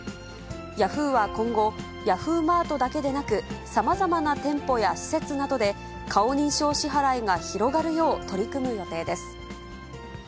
ヤフーは今後、ヤフーマートだけでなく、さまざまな店舗や施設などで、顔認証支払いが広がるよう取り組む予定です。